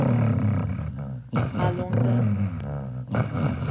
A llong nda